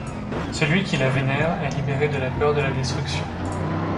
Celui qui la vénère est libéré de la peur de la destruction.